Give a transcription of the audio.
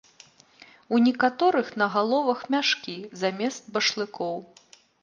У некаторых на галовах мяшкі замест башлыкоў.